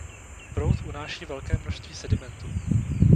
Proud unáší velké množství sedimentů.